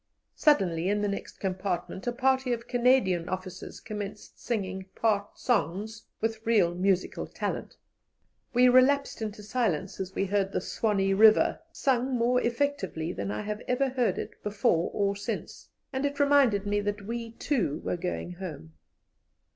Suddenly in the next compartment a party of Canadian officers commenced singing part songs with real musical talent. We relapsed into silence as we heard the "Swanee River" sung more effectively than I have ever heard it before or since, and it reminded me that we, too, were going home.